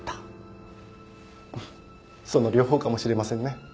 その両方かもしれませんね。